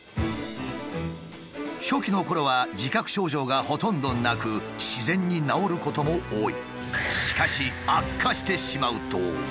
初期のころは自覚症状がほとんどなく自然に治ることも多い。